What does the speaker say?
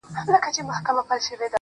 نن داخبره درلېږمه تاته,